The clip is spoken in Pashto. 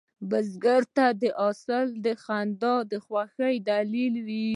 بزګر ته د حاصل خندا د خوښې دلیل وي